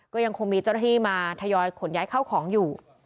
ก็ยังคงมีเจ้าหน้าที่มาทยอยขนย้ายเข้าของอยู่